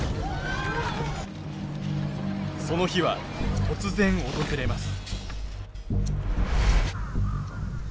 その日は突然訪れます。